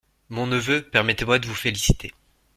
Mon neveu, permettez-moi de vous féliciter…